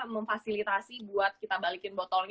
memfasilitasi buat kita balikin botolnya